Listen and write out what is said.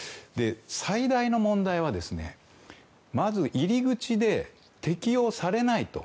最大の問題は、まず入り口で適用されないと。